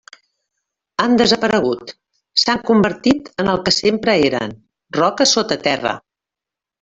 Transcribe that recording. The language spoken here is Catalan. Han desaparegut, s'han convertit en el que sempre eren, roques sota terra.